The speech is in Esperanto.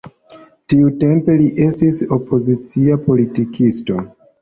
Tiutempe li estis opozicia politikisto.